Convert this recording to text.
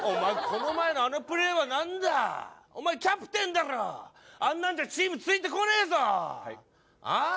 この前のあのプレーは何だお前キャプテンだろあんなんじゃチームついてこねえぞはいああ？